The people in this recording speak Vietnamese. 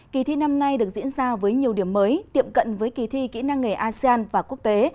kỳ thi năm nay được diễn ra với nhiều điểm mới tiệm cận với kỳ thi kỹ năng nghề asean và quốc tế